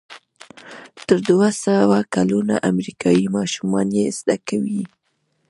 تر دوهسوه کلونو امریکایي ماشومان یې زده کوي.